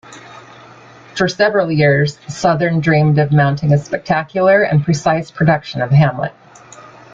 For several years, Sothern dreamed of mounting a spectacular and precise production of "Hamlet".